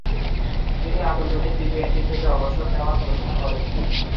তিনি আন্তর্জাতিক টি-টোয়েন্টি থেকে অবসর নেওয়ার ঘোষণা করেন।